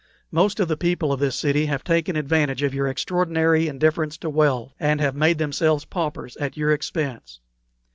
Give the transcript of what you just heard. Most of the people of this city have taken advantage of your extraordinary indifference to wealth, and have made themselves paupers at your expense.